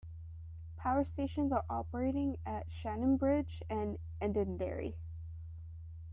Power stations are operating at Shannonbridge and Edenderry.